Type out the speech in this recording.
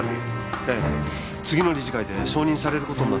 ええ次の理事会で承認される事になっていたと。